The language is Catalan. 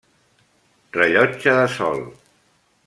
Rellotge de sol.